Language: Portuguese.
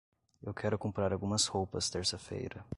Eu quero comprar algumas roupas terça-feira.